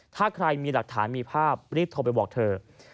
ถ้าใครมีหลักฐานมีภาพรีบโทรไปบอกเธอ